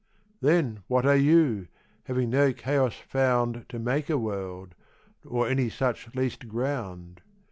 Then what are You, having no Chaos found To make a World, or any such least ground?